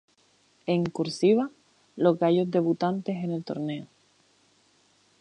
En "Cursiva" los gallos debutantes en el torneo.